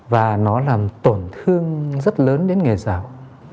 và nó làm tổn thương rất lớn đến nghề giáo